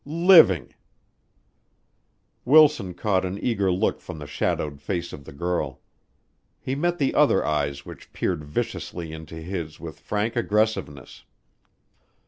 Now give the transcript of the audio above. "Living." Wilson caught an eager look from the shadowed face of the girl. He met the other eyes which peered viciously into his with frank aggressiveness.